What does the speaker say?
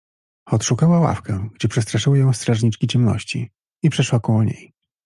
Odszukała ławkę, gdzie przestra szyły ją strażniczki ciemności, i przeszła koło niej.